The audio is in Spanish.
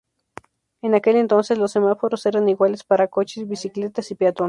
En aquel entonces, los semáforos eran iguales para coches, bicicletas y peatones.